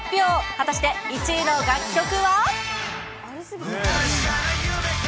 果たして１位の楽曲は？